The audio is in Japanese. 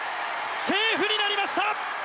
セーフになりました！